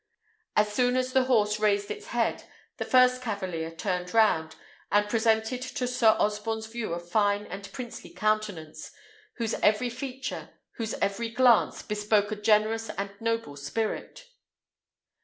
As soon as the horse raised its head, the first cavalier turned round, and presented to Sir Osborne's view a fine and princely countenance, whose every feature, whose every glance, bespoke a generous and noble spirit.